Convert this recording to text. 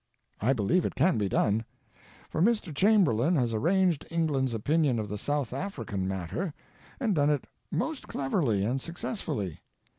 I believe it can be done ; for Mr. Chamberlain has arranged England's opinion of the South African matter, and done it most cleverly and successfully.